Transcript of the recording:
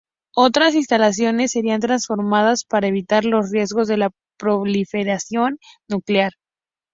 Otras instalaciones serían transformadas para evitar los riesgos de la proliferación nuclear.